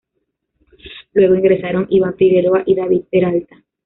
Luego ingresaron: Iván Figueroa y David Peralta.